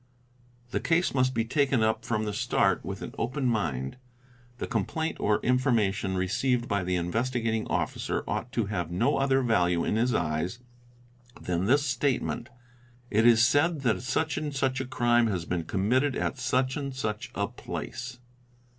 The case must be taken up from the start with an open mind. The complaint or information received by the Investigating Officer ought to have no other value in his eyes than this statement, "It is said that such and such a crime has been committed at such and such a place."